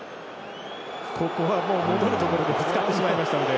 ここは戻るところでぶつかってしまったので。